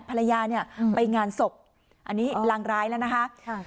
ภรรยาเนี่ยไปงานศพอันนี้ลางร้ายแล้วนะคะ